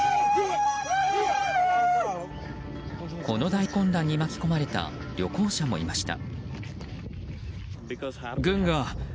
この大混乱に巻き込まれた旅行者もいました。